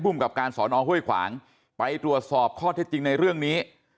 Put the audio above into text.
กับการสอนอห้วยขวางไปตรวจสอบข้อเท็จจริงในเรื่องนี้